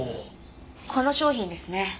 この商品ですね。